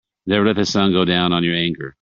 Never let the sun go down on your anger.